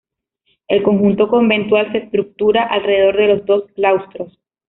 El conjunto conventual se estructura alrededor de los dos claustros.